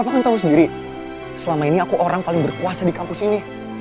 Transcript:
aku kan tahu sendiri selama ini aku orang paling berkuasa di kampus ini